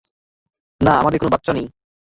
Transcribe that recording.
না, আমাদের কোন বাচ্ছা নেই।